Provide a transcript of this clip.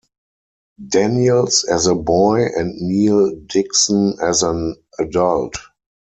Daniels as a boy and Neil Dickson as an adult.